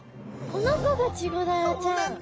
この子がチゴダラちゃん。